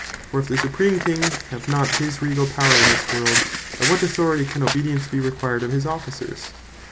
For if the Supreme King, have not his Regall Power in this world; by what authority can obedience be required to his Officers?